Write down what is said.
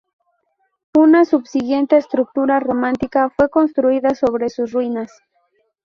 Una subsiguiente estructura románica fue construida sobre sus ruinas.